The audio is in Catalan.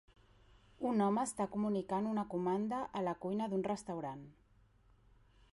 Un home està comunicant una comanda a la cuina d'un restaurant.